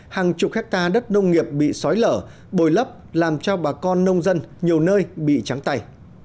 hàng chục hectare đất nông nghiệp bị sói lở bồi lấp làm cho bà con nông dân nhiều nơi bị trắng tay